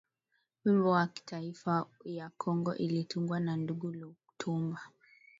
Wimbo wa kitaifa ya kongo ilitungwa na ndugu Lutumba